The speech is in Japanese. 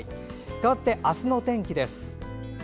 かわって、明日の天気です。